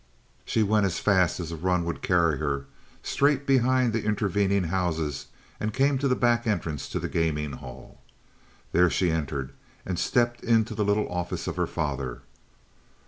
She went as fast as a run would carry her straight behind the intervening houses and came to the back entrance to the gaming hall. There she entered and stepped into the little office of her father.